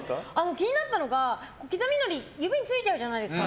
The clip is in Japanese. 気になったのが刻みのり指についちゃうじゃないですか。